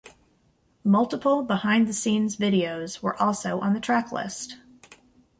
Multiple behind the scenes videos were also on the track list.